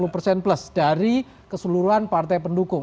persen plus dari keseluruhan partai pendukung